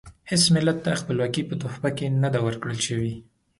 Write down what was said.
هیڅ ملت ته خپلواکي په تحفه کې نه ده ورکړل شوې.